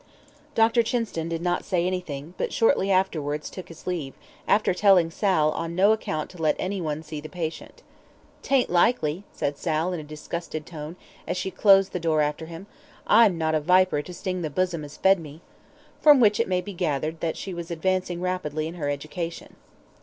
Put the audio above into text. Dr. Chinston did not say anything, but shortly afterwards took his leave, after telling Sal on no account to let anyone see the patient. "'Tain't likely," said Sal, in a disgusted tone, as she closed the door after him. "I'm not a viper to sting the bosom as fed me," from which it may be gathered she was advancing rapidly in her education.